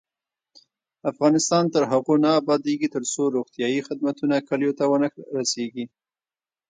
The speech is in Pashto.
افغانستان تر هغو نه ابادیږي، ترڅو روغتیایی خدمتونه کلیو ته ونه رسیږي.